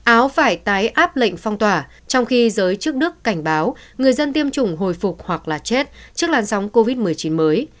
áo phải tái áp lệnh phong tỏa trong khi giới chức đức cảnh báo người dân tiêm chủng hồi phục hoặc là chết trước làn sóng covid một mươi chín mới